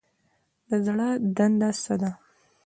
د زړه دنده څه ده؟